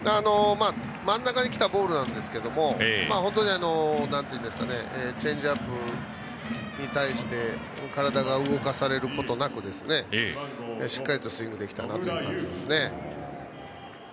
真ん中に来たボールなんですけどチェンジアップに対して体が動かされることなくしっかりスイングできたなという感じですね。